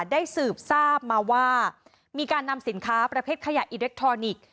สืบทราบมาว่ามีการนำสินค้าประเภทขยะอิเล็กทรอนิกส์